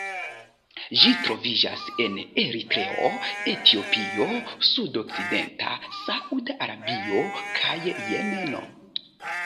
Ĝi troviĝas en Eritreo, Etiopio, sudokcidenta Sauda Arabio kaj Jemeno.